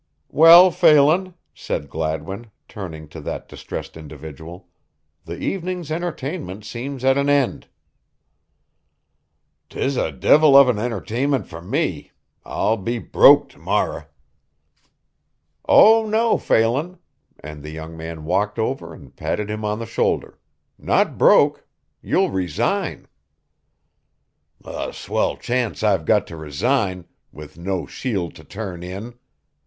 "Well, Phelan," said Gladwin, turning to that distressed individual, "the evening's entertainment seems at an end." "'Tis a divvil of an intertainment fer me I'll be broke to morrer." "Oh, no, Phelan," and the young man walked over and patted him on the shoulder, "not broke you'll resign." "A swell chance I've got to resign with no shield to turn in.